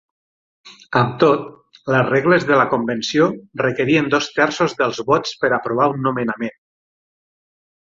Amb tot, les regles de la convenció requerien dos terços dels vots per aprovar un nomenament.